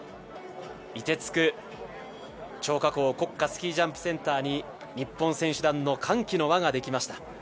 いてつく張家口国家スキージャンプセンターに、日本選手団の歓喜の輪ができました。